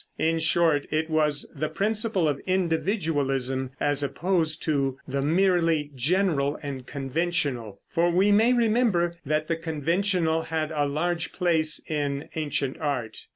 In short, it was the principle of individualism, as opposed to the merely general and conventional, for we may remember that the conventional had a large place in ancient art.